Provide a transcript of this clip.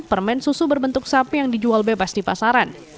permen susu berbentuk sapi yang dijual bebas di pasaran